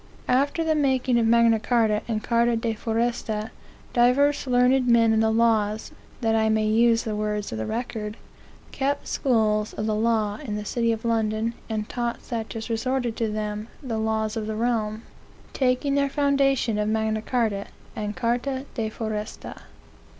"After the making of Magna Charta, and Charta de Foresta, divers learned men in the laws, that I may use the words of the record, kept schools of the law in the city of London, and taught such as resorted to them the laws of the realm, taking their foundation of Magna Charta and Charta de Foresta.